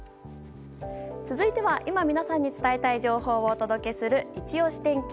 続いては今皆さんに伝えたい情報をお届けする、いちオシ天気。